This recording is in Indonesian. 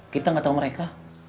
kita nggak tahu mereka